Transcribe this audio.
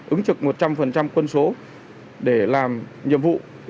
ứng trực một trăm linh quân số để làm nhiệm vụ